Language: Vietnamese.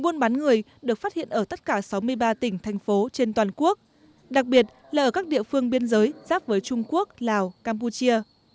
vấn đề này hiện ở tất cả sáu mươi ba tỉnh thành phố trên toàn quốc đặc biệt là ở các địa phương biên giới giáp với trung quốc lào campuchia